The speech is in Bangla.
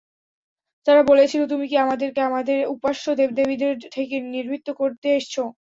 তারা বলেছিল, তুমি কি আমাদেরকে আমাদের উপাস্য দেব-দেবীদের থেকে নিবৃত্ত করতে এসেছ?